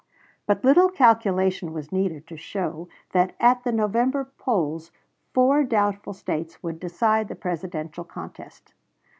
But little calculation was needed to show that at the November polls four doubtful States would decide the Presidential contest.